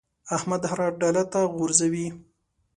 احمد هر ډاله ته غورځي.